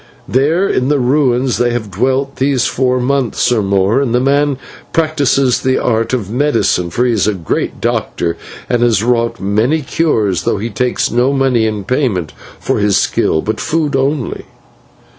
There in the ruins they have dwelt these four months and more, and the man practises the art of medicine, for he is a great doctor, and has wrought many cures, though he takes no money in payment for his skill, but food only.